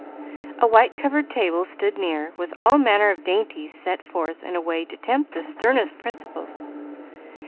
A white covered table stood near, with all manner of dainties set forth in a way to tempt the sternest principles.